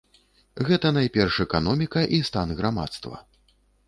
Гэта найперш эканоміка і стан грамадства.